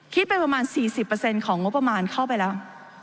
คิดไปประมาณ๔๐ของงบประมาณเข้าไปแล้ว